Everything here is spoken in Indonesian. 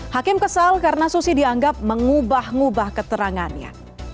hakim kesal karena susi dianggap mengubah ngubah keterangannya